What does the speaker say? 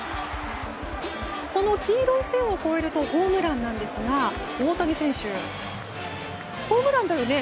この黄色い線を越えるとホームランなんですが大谷選手、ホームランだよね？